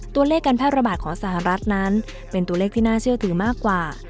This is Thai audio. ตัวเลขการแพร่ระบาดของสหรัฐนั้นเป็นตัวเลขที่น่าเชื่อถือมากกว่า